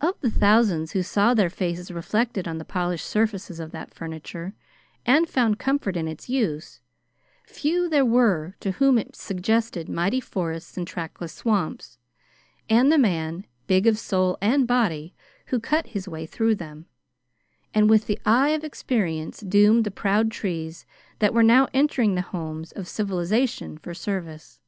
Of the thousands who saw their faces reflected on the polished surfaces of that furniture and found comfort in its use, few there were to whom it suggested mighty forests and trackless swamps, and the man, big of soul and body, who cut his way through them, and with the eye of experience doomed the proud trees that were now entering the homes of civilization for service.